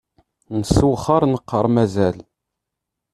Nessewxar neqqar mazal.